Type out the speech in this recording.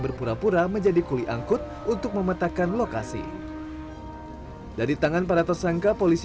berpura pura menjadi kuli angkut untuk memetakan lokasi dari tangan para tersangka polisi